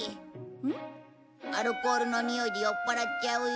アルコールのにおいで酔っ払っちゃうよ。